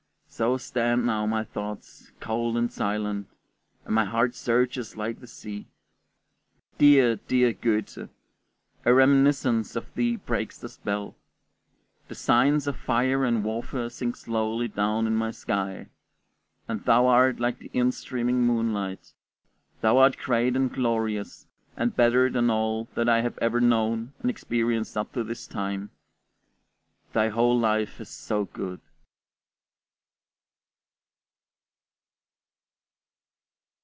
So stand now my thoughts, cold and silent, and my heart surges like the sea. Dear, dear Goethe! A reminiscence of thee breaks the spell; the signs of fire and warfare sink slowly down in my sky, and thou art like the in streaming moonlight. Thou art great and glorious, and better than all that I have ever known and experienced up to this time. Thy whole life is so good!